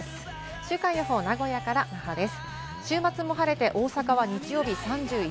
週間予報、名古屋から那覇です。